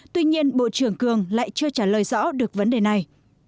tuy nhiên bộ trưởng cường lại chưa trả lời rõ được vấn đề này